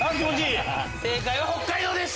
正解は北海道です。